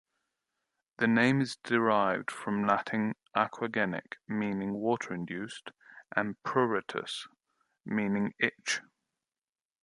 The name is derived from Latin: aquagenic, meaning water-induced, and pruritus, meaning itch.